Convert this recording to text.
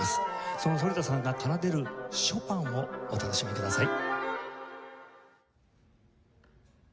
その反田さんが奏でるショパンをお楽しみください。